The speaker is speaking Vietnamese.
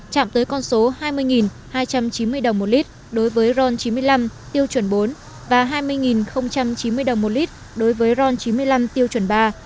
chạm tới con số hai mươi hai trăm chín mươi đồng một lít đối với ron chín mươi năm tiêu chuẩn bốn và hai mươi chín mươi đồng một lít đối với ron chín mươi năm tiêu chuẩn ba